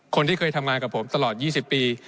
คนที่เคยทำงานกับผมตลอด๒๐ปี